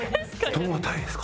どの辺りですか？